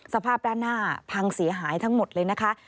สภาพด้านหน้าพังเสียหายทั้งหมดเลยนะคะ